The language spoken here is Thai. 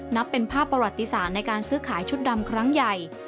นับเป็นภาพประวัติศาสตร์ในการซื้อขายชุดดำครั้งใหญ่